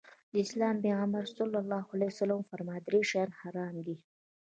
د اسلام پيغمبر ص وفرمايل درې شيان حرام دي.